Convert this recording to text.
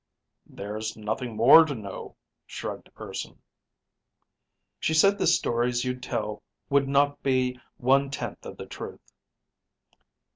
"There's nothing more to know," shrugged Urson. "She said the stories you'd tell would not be one tenth of the truth."